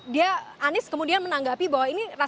dia anies kemudian menanggapi bahwa ini rasa rasa